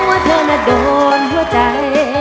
ว่าเธอน่ะโดนหัวใจ